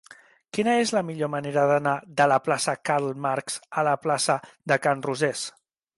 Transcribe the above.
Quina és la millor manera d'anar de la plaça de Karl Marx a la plaça de Can Rosés?